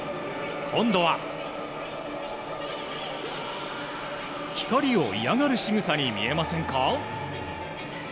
今度は、光を嫌がるしぐさに見えませんか？